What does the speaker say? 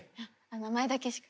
名前だけしか。